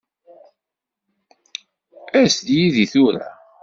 As-d yid-i tura.